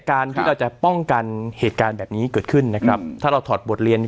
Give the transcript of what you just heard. การที่เราจะป้องกันเหตุการณ์แบบนี้เกิดขึ้นนะครับถ้าเราถอดบทเรียน